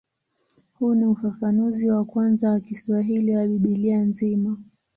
Huu ni ufafanuzi wa kwanza wa Kiswahili wa Biblia nzima.